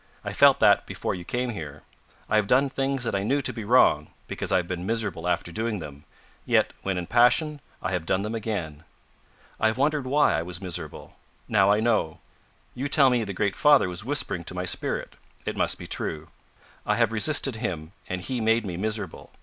I felt that before you came here. I have done things that I knew to be wrong, because I have been miserable after doing them yet, when in passion, I have done them again. I have wondered why I was miserable. Now I know; you tell me the Great Father was whispering to my spirit. It must be true. I have resisted Him, and He made me miserable.